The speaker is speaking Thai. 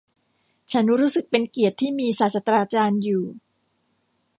ฉันรู้สึกเป็นเกียรติที่มีศาสตราจารย์อยู่